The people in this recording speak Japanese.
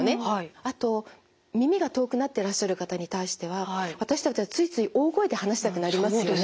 あと耳が遠くなってらっしゃる方に対しては私たちはついつい大声で話したくなりますよね。